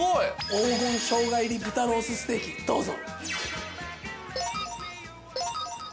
黄金生姜入り豚ロースステーキどうぞ。